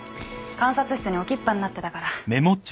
観察室に置きっぱになってたから。